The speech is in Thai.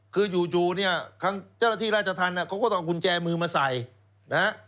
คือจู่เนี่ยเจ้าหน้าที่ราชธรรมเนี่ยเขาก็ต้องกุญแจมือมาใส่นะ